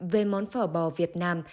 về món phở bò việt nam